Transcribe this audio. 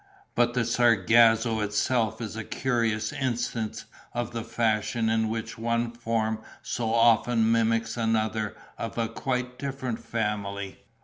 But the sargasso itself is a curious instance of the fashion in which one form so often mimics another of a quite different family.